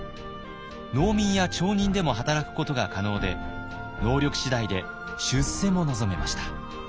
農民や町人でも働くことが可能で能力次第で出世も望めました。